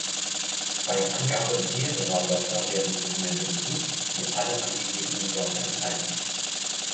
Bei Angabe mehrerer Wörter werden Dokumente gesucht, die alle angegebenen Wörter enthalten.